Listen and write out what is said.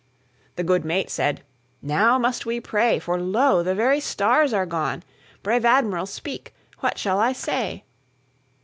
The good mate said: "Now must we pray, For lo! the very stars are gone. Brave Admiral, speak, what shall I say?"